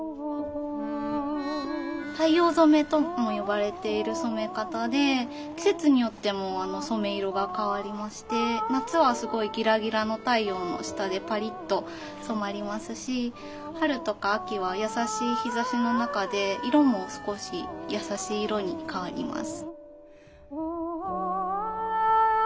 太陽染めとも呼ばれている染め方で季節によっても染め色が変わりまして夏はすごいギラギラの太陽の下でパリッと染まりますし春とか秋は優しい日ざしの中で色も少し優しい色に変わります。